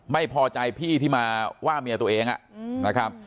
ไม่พอใจพี่ที่มาว่าเมียตัวเองนะครับ